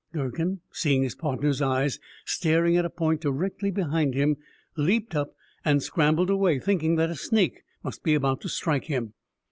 Durkin, seeing his partner's eyes staring at a point directly behind him, leaped up and scrambled away, thinking that a snake must be about to strike him.